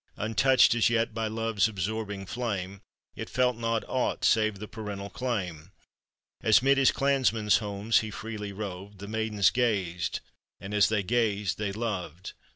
Untouched as yet by Love's absorbing flame, It felt not aught save the parental claim, As 'mid his clansmen's homes he freely roved, The maidens gazed, and as they gazed they loved.